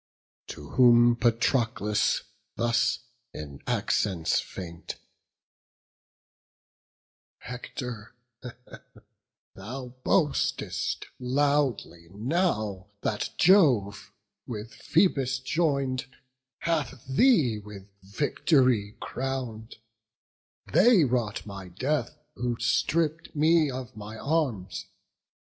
To whom Patroclus thus in accents faint: "Hector, thou boastest loudly now, that Jove, With Phoebus join'd, hath thee with vict'ry crown'd: They wrought my death, who stripp'd me of my arms.